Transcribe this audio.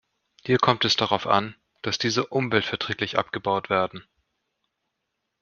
Hier kommt es darauf an, dass diese umweltverträglich abgebaut werden.